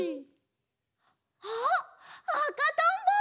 あっあかとんぼ！